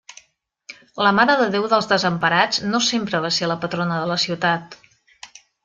La Mare de Déu dels Desemparats no sempre va ser la patrona de la ciutat.